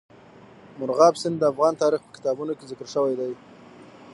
مورغاب سیند د افغان تاریخ په کتابونو کې ذکر شوی دی.